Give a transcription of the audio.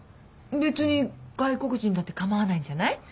別に外国人だって構わないんじゃない？